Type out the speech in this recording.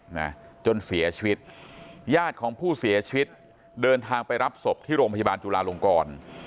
นะจนเสียชีวิตญาติของผู้เสียชีวิตเดินทางไปรับศพที่โรงพยาบาลจุลาลงกร